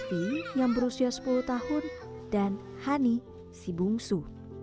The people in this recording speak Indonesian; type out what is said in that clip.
hafi yang berusia sepuluh tahun dan hani si bungsu